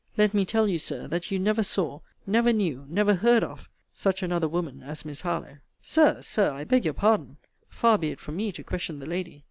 Let me tell you, Sir, that you never saw, never knew, never heard of, such another woman as Miss Harlowe. Sir, Sir, I beg your pardon. Far be it from me to question the lady.